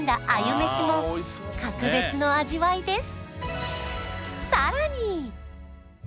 めしも格別の味わいです